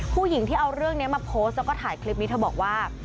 ผู้หญิงที่เอาเรื่องนี้มาโพสต์แล้วก็ถ่ายคลิปนี้เธอบอกว่า